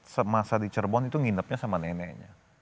semasa di cirebon itu nginepnya sama neneknya